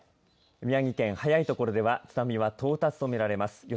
宮城県、早い所では津波は到達とみられます。